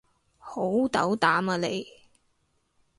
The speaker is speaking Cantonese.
好斗膽啊你